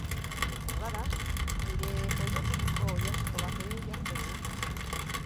Beharbada, nire oilategiko oilasko bat ere jarriko dugu.